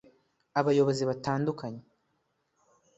Abayobozi batandukanye